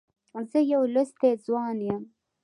زه يو لوستی ځوان یم.